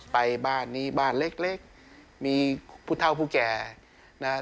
ไปบ้านนี้บ้านเล็กมีผู้เท่าผู้แก่นะครับ